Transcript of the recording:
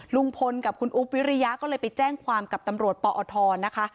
ลุงพลกับคุณอุ๊บวิริยะก็เลยไปแจ้งความกับตำรวจปอทนะคะ